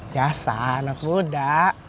biasa anak muda